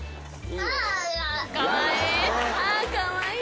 かわいい！